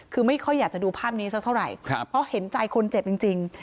คือไม่ค่อยอยากจะดูภาพนี้สักเท่าไหร่เพราะเห็นใจคนเจ็บจริง